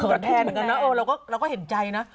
เผินแทนกันนะโอ้โฮเราก็เห็นใจนะ